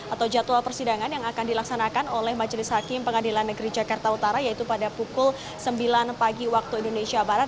atau jadwal persidangan yang akan dilaksanakan oleh majelis hakim pengadilan negeri jakarta utara yaitu pada pukul sembilan pagi waktu indonesia barat